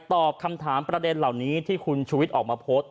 ตอบคำถามประเด็นเหล่านี้ที่คุณชุวิตออกมาโพสต์